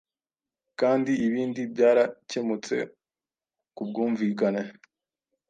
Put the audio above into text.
kandi ibindi byaracyemutse ku bwumvikane